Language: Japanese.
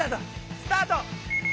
スタート！